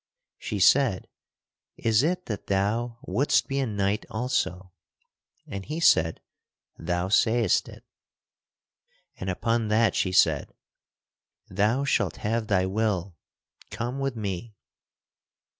She said, "Is it that thou wouldst be a knight also?" And he said, "Thou sayst it." And upon that she said, "Thou shalt have thy will; come with me."